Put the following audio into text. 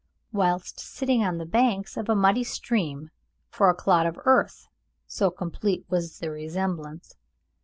whilst sitting on the banks of a muddy stream, for a clod of earth, so complete was the resemblance.